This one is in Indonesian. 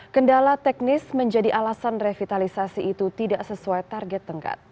kendala teknis menjadi alasan revitalisasi itu tidak sesuai target tengkat